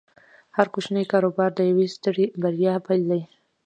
هر کوچنی کاروبار د یوې سترې بریا پیل دی۔